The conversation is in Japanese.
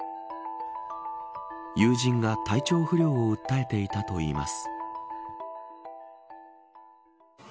友人が体調不良を訴えていたといいます。